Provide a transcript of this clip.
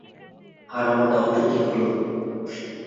আমার দাওয়াতের কি হলো?